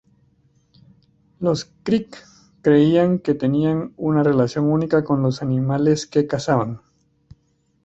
Los creek creían que tenían una relación única con los animales que cazaban.